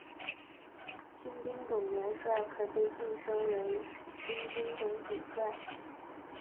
军兵种元帅可被晋升为军兵种主帅。